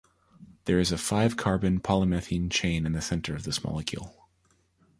There is a five carbon poly-methine chain in the center of this molecule.